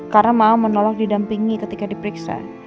karena mau menolak didampingi ketika diperiksa